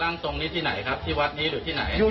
ตรงนี้ที่ไหนครับที่วัดนี้อยู่ที่ไหน